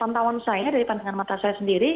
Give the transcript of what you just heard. putri dari pantauan saya dari pandangan mata saya sendiri